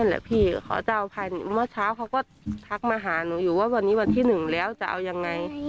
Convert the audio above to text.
แหละพี่เขาจะเอาภายเมื่อเช้าเขาก็ทักมาหาหนูอยู่ว่าวันนี้วันที่หนึ่งแล้วจะเอายังไง